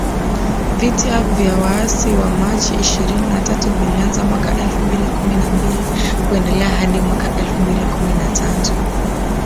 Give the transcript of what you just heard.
Vita vya waasi wa Machi ishirini na tatu vilianza mwaka elfu mbili kumi na mbili na kuendelea hadi mwaka elfu mbili kumi na tatu